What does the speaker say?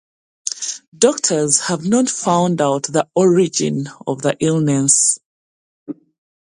Doctors have not found out the origin of the illness.